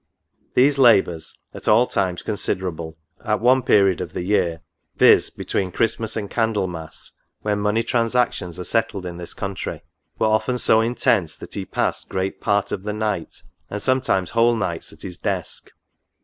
These labours (at all times considerable) at one period of the year, viz. be NOTES. 59 tween Christmas and Candlemas, when money transactions are settled in this country, were often so intense, that he passed great part of the night, and sometimes whole nights, at his desk.